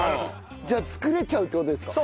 じゃあ作れちゃうって事ですか？